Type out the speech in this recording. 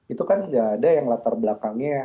itu kan nggak ada yang latar belakangnya